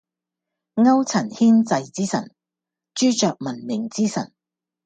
勾陳牽滯之神，朱雀文明之神